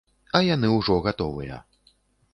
А яны ўжо гатовыя.